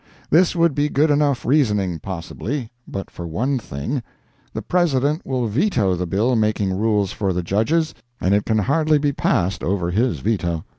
This would be good enough reasoning, possibly, but for one thing: the President will veto the bill making rules for the Judges, and it can hardly be passed over his veto.